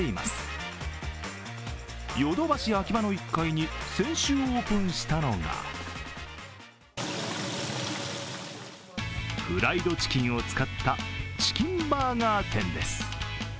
Ａｋｉｂａの１階に先週オープンしたのがフライドチキンを使ったチキンバーガー店です。